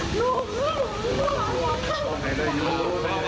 พ่อพ่อพ่อพ่อพ่อแม่พ่อพ่อพ่อ